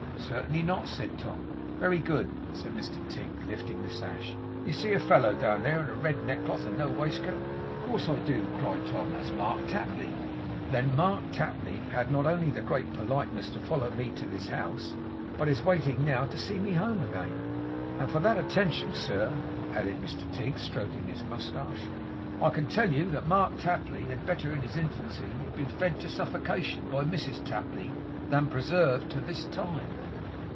'Certainly not,' said Tom. 'Very good,' said Mr Tigg, lifting the sash. 'You see a fellow down there in a red neckcloth and no waistcoat?' 'Of course I do,' cried Tom. 'That's Mark Tapley.' 'Mark Tapley is it?' said the gentleman. 'Then Mark Tapley had not only the great politeness to follow me to this house, but is waiting now, to see me home again. And for that attention, sir,' added Mr Tigg, stroking his moustache, 'I can tell you, that Mark Tapley had better in his infancy have been fed to suffocation by Mrs Tapley, than preserved to this time.